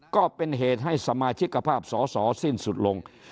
ก็เป็นเหตุให้สมาชิกภาพสอสอสิ้นสุดลง